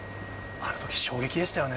あのとき衝撃でしたよね。